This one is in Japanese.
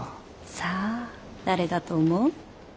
さあ誰だと思う？